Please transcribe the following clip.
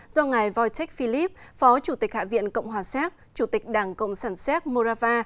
do ngài wojtek filip phó chủ tịch hạ viện cộng hòa xác chủ tịch đảng cộng sản xác morava